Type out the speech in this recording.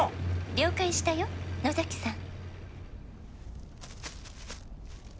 「了解したよ野崎さん」